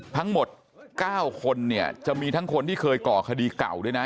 ทั้งหมด๙คนเนี่ยจะมีทั้งคนที่เคยก่อคดีเก่าด้วยนะ